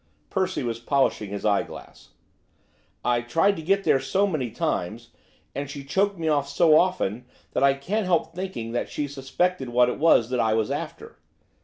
Percy was polishing his eyeglass. 'I tried to get there so many times, and she choked me off so often, that I can't help thinking that she suspected what it was that I was after.